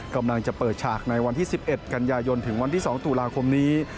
กำลังจะเปิดฉากในวันที่๑๑กันยายนถึงวันที่๒ตุลาคมนี้